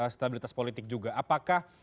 stabilitas politik juga apakah